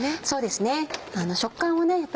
そうですね食感をね